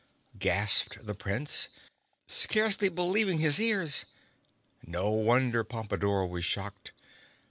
gasped the Prince, scarcely believing his ears. No wonder Pompadore was shocked.